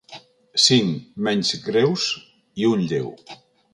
Cinc menys greus i un lleu.